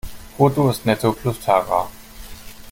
Brutto ist Netto plus Tara.